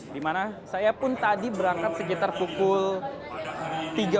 dimana saya pun tadi berangkat sekitar pukul tiga waktu indonesia pertama